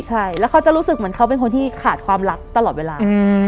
ใช่แล้วเขาจะรู้สึกเหมือนเขาเป็นคนที่ขาดความรักตลอดเวลา